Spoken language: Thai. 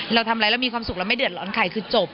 เราทำอะไรเรามีความสุขแล้วไม่เดือดร้อนไข่คือจบ